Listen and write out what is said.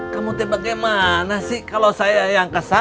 kamu teh bagaimana sih kalau saya yang kesal